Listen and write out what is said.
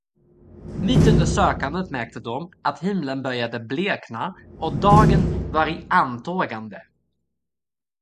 Mittunder sökandet märkte de, att himlen började blekna och dagen var i antågande.